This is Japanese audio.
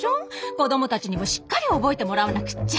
子どもたちにもしっかり覚えてもらわなくっちゃ。